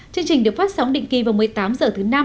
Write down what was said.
chương trình được phát sóng định kỳ vào một mươi tám h thứ năm